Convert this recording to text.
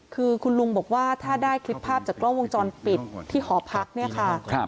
คือคุณลุงบอกว่าถ้าได้คลิปภาพจากกล้องวงจรปิดที่หอพักเนี่ยค่ะ